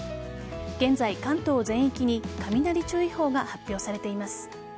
現在、関東全域に雷注意報が発表されています。